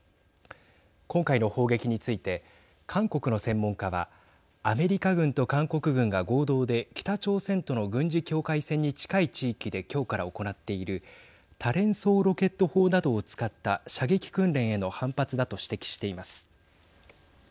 今回の砲撃について韓国の専門家はアメリカ軍と韓国軍が合同で北朝鮮との軍事境界線に近い地域で今日から行っている多連装ロケット砲などを使った射撃訓練への反発だと指摘しています。